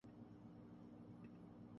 اہل بیت میں بھی شمار ہوتے ہیں